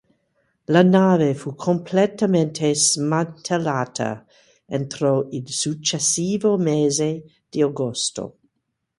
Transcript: La nave fu completamente smantellata entro il successivo mese di agosto.